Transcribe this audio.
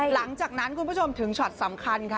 หลังจากนั้นคุณผู้ชมถึงช็อตสำคัญค่ะ